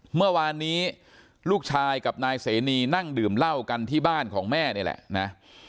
เมื่อวานนี้ลูกชายกับนายเสนีนั่งดื่มเหล้ากันที่บ้านของแม่นี่แหละนะ